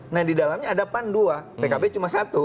nah di dalamnya ada pan dua pkb cuma satu